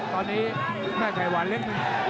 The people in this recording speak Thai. ตอนนี้แม่ใจหวานเล็ก